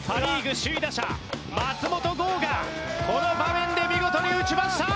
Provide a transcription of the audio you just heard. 首位打者松本剛がこの場面で見事に打ちました。